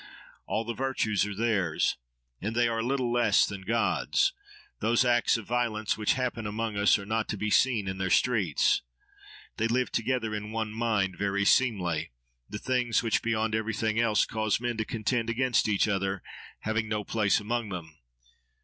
All the virtues are theirs, and they are little less than gods. Those acts of violence which happen among us are not to be seen in their streets. They live together in one mind, very seemly; the things which beyond everything else cause men to contend against each other, having no place upon them.